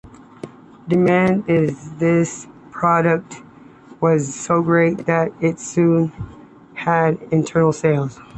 Demand for this product was so great that it soon had international sales.